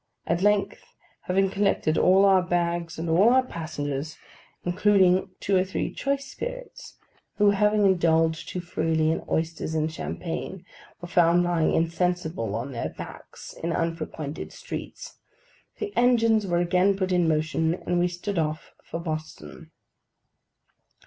At length, having collected all our bags and all our passengers (including two or three choice spirits, who, having indulged too freely in oysters and champagne, were found lying insensible on their backs in unfrequented streets), the engines were again put in motion, and we stood off for Boston.